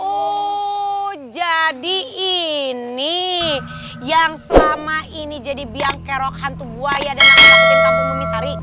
oh jadi ini yang selama ini jadi biangkerok hantu buaya dan yang ngelakuin kampung bumisari